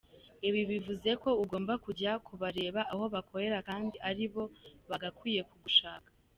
Ibi bivuze ko ugomba kujya kubareba aho bakorera kandi ari bo bagakwiye kugushaka.